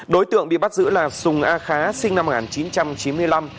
đối tượng bị bắt giữ là sung a kha sinh năm một nghìn chín trăm chín mươi năm